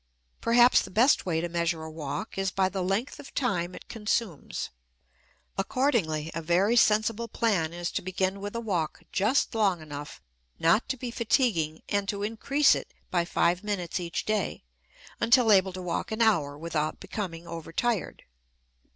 Perhaps the best way to measure a walk is by the length of time it consumes. Accordingly, a very sensible plan is to begin with a walk just long enough not to be fatiguing and to increase it by five minutes each day until able to walk an hour without becoming overtired.